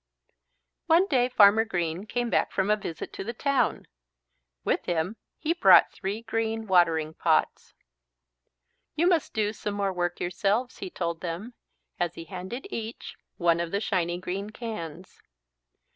One day Farmer Green came back from a visit to the town. With him he brought three green watering pots. "You must do some more work, yourselves," he told them as he handed each one of the shiny green cans.